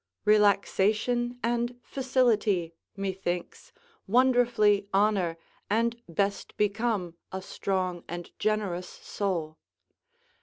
Relaxation and facility, methinks, wonderfully honour and best become a strong and generous soul.